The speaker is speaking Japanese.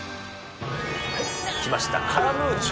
きました、カラムーチョ。